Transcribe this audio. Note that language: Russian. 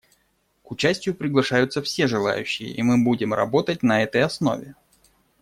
К участию приглашаются все желающие, и мы будем работать на этой основе.